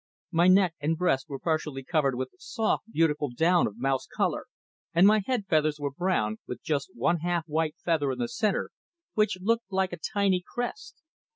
My neck and breast were partially covered with soft, beautiful down of mouse color, and my head feathers were brown, with just one half white feather in the centre which looked like a tiny crest.